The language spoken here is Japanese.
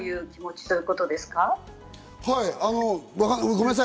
はい、ごめんなさい。